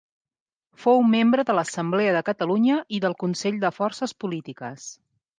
Fou membre de l'Assemblea de Catalunya i del Consell de Forces Polítiques.